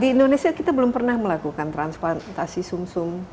di indonesia kita belum pernah melakukan transplantasi sum sum